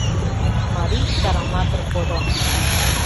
Марий чараматыр кодо.